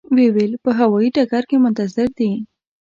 و یې ویل په هوایي ډګر کې منتظر دي.